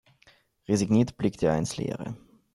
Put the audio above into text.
Resigniert blickte er ins Leere.